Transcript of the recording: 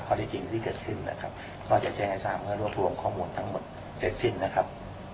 ได้จริงที่เกิดขึ้นนะครับก็จะแจ้งให้ทราบเพื่อรวบรวมข้อมูลทั้งหมดเสร็จสิ้นนะครับ